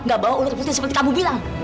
gak bawa ulut putih seperti kamu bilang